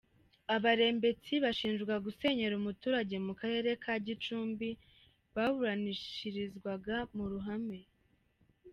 Abarembetsi bashinjwa gusenyera umuturage mu Karere ka Gicumbi baburanishirizwa mu ruhame.